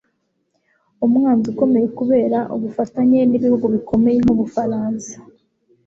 umwanzi ukomeye kubera ubufatanye n'ibihugu bikomeye nk'ubufaransa